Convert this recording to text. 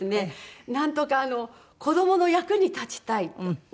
なんとか子供の役に立ちたいって。